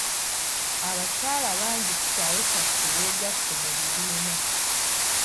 Abakyala bangi ku kyalo kyaffe beegasse mu bibiina.